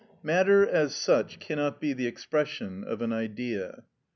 Matter as such cannot be the expression of an Idea.